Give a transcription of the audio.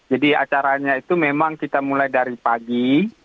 jadi acaranya itu memang kita mulai dari pagi